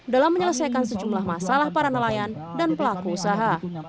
dalam menyelesaikan sejumlah masalah para nelayan dan pelaku usaha